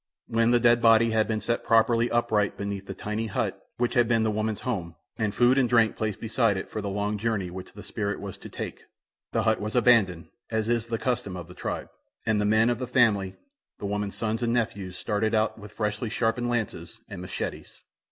When the dead body had been set properly upright beneath the tiny hut which had been the woman's home, and food and drink placed beside it for the long journey which the spirit was to take, the hut was abandoned, as is the custom of the tribe, and the men of the family, the woman's sons and nephews, started out with freshly sharpened lances and "mechetes."